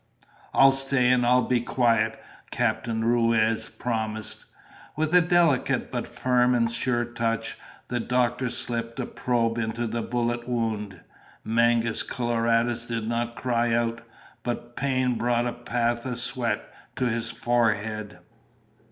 "I'll stay, and I'll be quiet," Captain Ruiz promised. With a delicate, but firm and sure touch, the doctor slipped a probe into the bullet wound. Mangus Coloradus did not cry out, but pain brought a bath of sweat to his forehead.